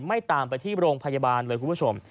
ไม่ตามไปที่โรงพยาบาลเลยคุณผู้ชม